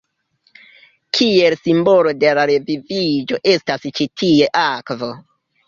Kiel simbolo de la reviviĝo estas ĉi tie akvo.